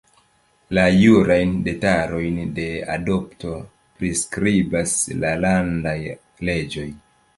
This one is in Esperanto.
La jurajn detalojn de adopto priskribas la landaj leĝoj.